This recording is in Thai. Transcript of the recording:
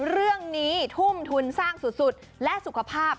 เรื่องนี้ทุ่มทุนสร้างสุดและสุขภาพ